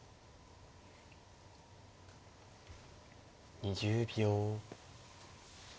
２０秒。